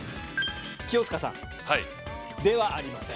清塚さんではありません。